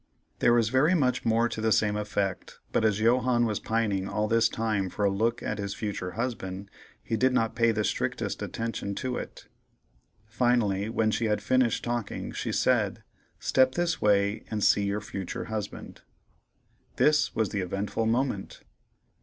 There was very much more to the same effect, but as Johannes was pining all this time for a look at his future husband, he did not pay the strictest attention to it. Finally, when she had finished talking, she said, "Step this way and see your future husband." This was the eventful moment.